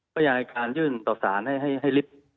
พยานรายการยื่นต่อสารให้ลิฟท์